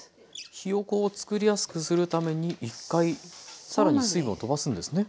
ひよこをつくりやすくするために１回更に水分をとばすんですね。